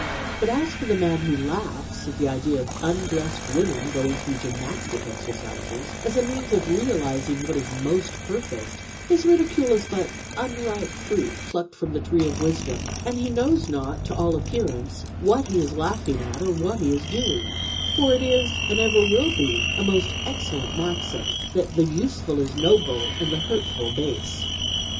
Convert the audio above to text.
But as for the man who laughs at the idea of undressed women going through gymnastic exercises, as a means of realising what is most perfect, his ridicule is but ' unripe fruit plucked from the tree of wisdom,' and he knows not, to all ap pearance, what he is laughing at or what he is doing : for it is, and ever will be, a most excellent maxim, that the useful is noble and the hurtful base.